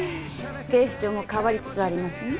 警視庁も変わりつつありますね。